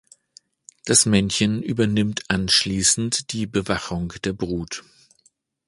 Das Männchen übernimmt anschließend die Bewachung der Brut.